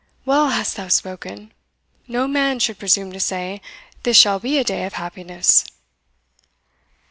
well hast thou spoken No man should presume to say, This shall be a day of happiness."